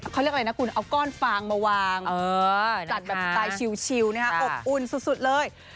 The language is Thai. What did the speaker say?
เขาเรียกอะไรนะคุณเอาก้อนฟางมาวางจัดแบบสไตล์ชิลอบอุ่นสุดเลย